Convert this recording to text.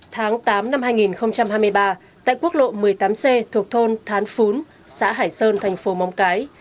tháng tám năm hai nghìn hai mươi ba tại quốc lộ một mươi tám c thuộc thôn thán phún xã hải sơn thành phố móng cái